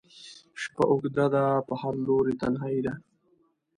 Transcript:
شپه اوږده ده په هر لوري تنهایي ده